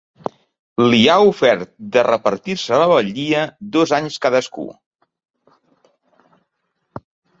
Li ha ofert de repartir-se la batllia, dos anys cadascú.